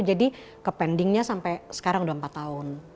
jadi ke pendingnya sampai sekarang udah empat tahun